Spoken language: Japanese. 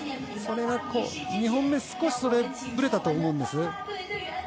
それが２本目少しぶれたと思うんです。